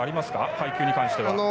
配球に関しては。